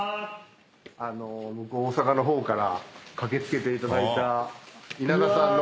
大阪の方から駆け付けていただいた稲田さんの。